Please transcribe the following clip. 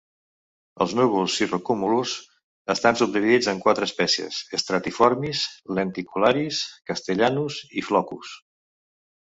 Els núvols cirrocúmulus estan subdividits en quatre espècies: "stratiformis", "lenticularis", "castellanus" i "floccus".